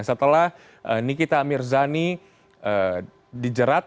setelah nikita mirzani dijeratkan